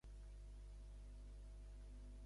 Número vint, dos-tres?